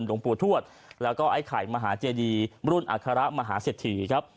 หลวงปู่ทวดแล้วก็ไอ้ไข่มหาเจดีรุ่นอัคระมหาเศรษฐีครับ